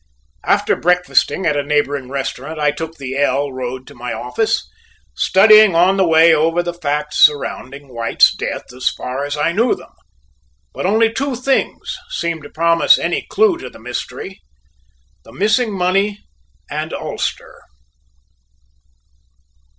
After breakfasting at a neighboring restaurant, I took the "L" road to my office, studying on the way over the facts surrounding White's death as far as I knew them, but only two things seemed to promise any clue to the mystery, the missing money and ulster.